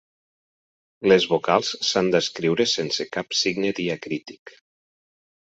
Les vocals s'han d'escriure sense cap signe diacrític.